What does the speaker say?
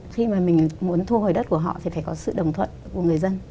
khi mà mình muốn thu hồi đất của họ thì phải có sự đồng thuận của người dân